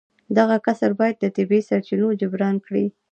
دغه کسر باید له طبیعي سرچینو جبران کړي